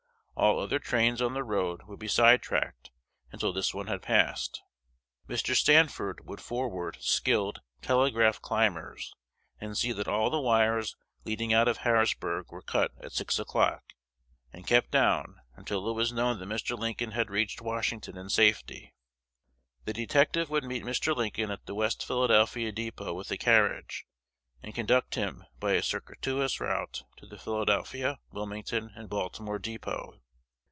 All other trains on the road would be "sidetracked" until this one had passed. Mr. Sanford would forward skilled "telegraph climbers," and see that all the wires leading out of Harrisburg were cut at six o'clock, and kept down until it was known that Mr. Lincoln had reached Washington in safety. The detective would meet Mr. Lincoln at the West Philadelphia dépôt with a carriage, and conduct him by a circuitous route to the Philadelphia, Wilmington, and Baltimore dépôt.